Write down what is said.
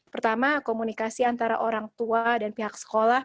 pertama komunikasi antara orang tua dan pihak sekolah